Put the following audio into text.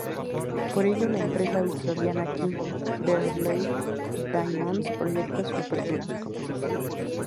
Por ello la empresa australiana Kimberley Diamonds proyecta su apertura.